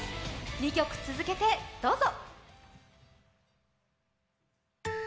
２曲続けて、どうぞ。